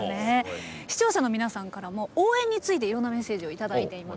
視聴者の皆さんからも応援についていろんなメッセージを頂いています。